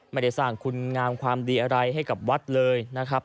ไม่ได้สร้างคุณงามความดีอะไรให้กับวัดเลยนะครับ